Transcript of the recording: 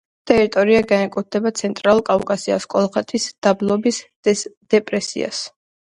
ტერიტორია განეკუთვნება ცენტრალურ კავკასიას, კოლხეთის დაბლობის დეპრესიას